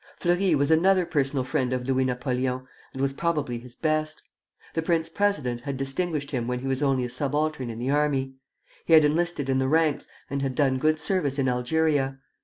Fleury was another personal friend of Louis Napoleon, and was probably his best. The prince president had distinguished him when he was only a subaltern in the army. He had enlisted in the ranks, and had done good service in Algeria.